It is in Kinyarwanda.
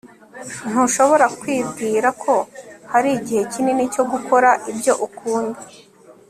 ntushobora kwibwira ko hari igihe kinini cyo gukora ibyo ukunda